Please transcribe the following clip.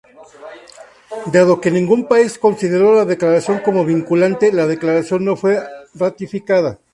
Dado que ningún país consideró la declaración como vinculante, la declaración no fue ratificada.